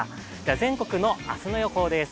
全国の明日の予報です。